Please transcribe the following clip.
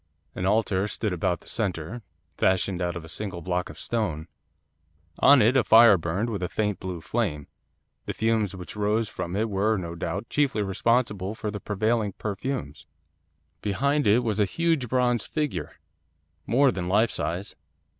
An altar stood about the centre, fashioned out of a single block of stone. On it a fire burned with a faint blue flame, the fumes which rose from it were no doubt chiefly responsible for the prevailing perfumes. Behind it was a huge bronze figure, more than life size.